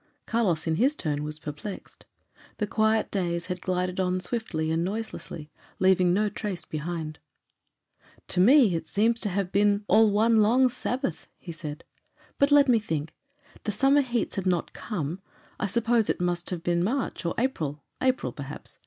Carlos in his turn was perplexed. The quiet days had glided on swiftly and noiselessly, leaving no trace behind. "To me it seems to have been all one long Sabbath," he said. "But let me think. The summer heats had not come; I suppose it must have been March or April April, perhaps.